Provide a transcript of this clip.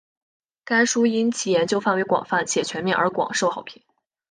该书因其研究范围广泛且全面而广受好评。